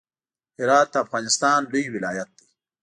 هرات د افغانستان لوی ولایت دی.